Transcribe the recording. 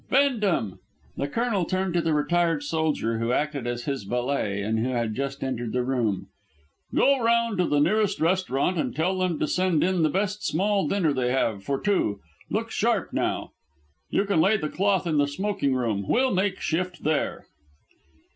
Bendham!" The Colonel turned to the retired soldier who acted as his valet and who had just entered the room, "go round to the nearest restaurant and tell them to send in the best small dinner they have, for two. Look sharp, now. You can lay the cloth in the smoking room; we'll make shift there."